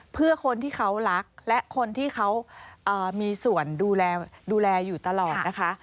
เพื่อคนที่เขารักและคนที่เขามีส่วนดูแลอยู่ตลอดนะคะ